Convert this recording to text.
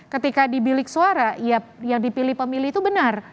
ketika dibilik suara ya yang dipilih pemilih itu benar